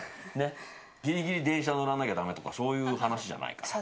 ギリギリ、電車乗らなきゃダメとかそういう話じゃないから。